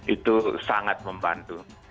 itu sangat membantu